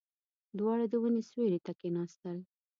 دواړه د ونې سيوري ته کېناستل.